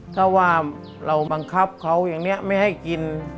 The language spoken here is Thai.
ถ้าว่าเราบังคับเขาอย่างนี้ไม่ให้กิน